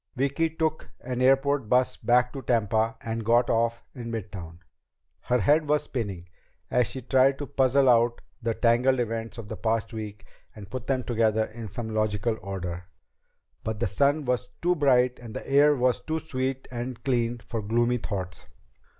Vicki took an airport bus back to Tampa and got off in midtown. Her head was spinning as she tried to puzzle out the tangled events of the past week and put them together in some logical order. But the sun was too bright and the air was too sweet and clean for gloomy thoughts.